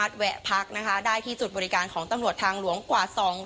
ทุกเส้นทางค่ะ